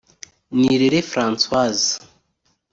Nirere Francoise